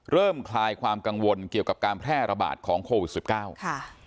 เริ่มคลายความกังวลเกี่ยวกับการแพร่ระบาดของโรคโควิด๑๙